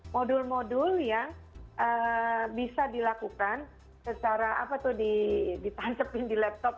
modul modul yang bisa dilakukan secara apa tuh ditansepin di laptop